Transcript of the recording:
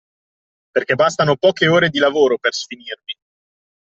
Perché bastano poche ore di lavoro per sfinirmi.